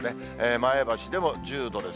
前橋でも１０度です。